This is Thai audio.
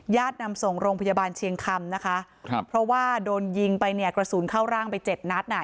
ญาตินำส่งโรงพยาบาลเชียงคำนะคะเพราะว่าโดนยิงไปเนี่ยกระสูรเข้าร่างไป๗นัดนะ